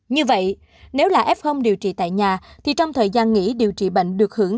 như vậy nếu là f điều trị tại nhà thì trong thời gian nghỉ điều trị bệnh được hưởng